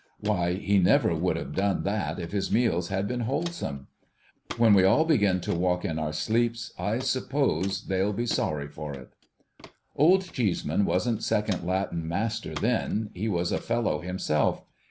Why, he never would have done that if his meals had been wholesome. When we all begin to walk in our sleeps, I suppose they'll be sorry for it. Old Cheeseman wasn't second Latin Master then; he was a fellow himself.